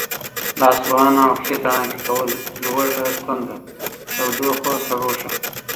لاسونه او پښې تڼاکې کول، لوږه تنده، تودوخه، سړوښه،